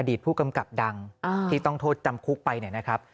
ผู้กำกับดังที่ต้องโทษจำคุกไปเนี่ยนะครับ